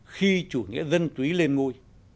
khi chủ nghĩa dân túy lên ngôi